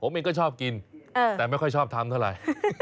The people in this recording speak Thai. ผมเองก็ชอบกินแต่ไม่ค่อยชอบทำเท่าไหร่